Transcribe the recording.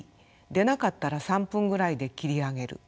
出なかったら３分ぐらいで切り上げる。